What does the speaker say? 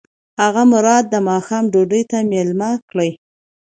هغه مراد د ماښام ډوډۍ ته مېلمه کړ.